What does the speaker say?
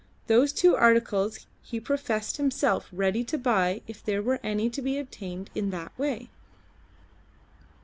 Those two articles he professed himself ready to buy if there were any to be obtained in that way.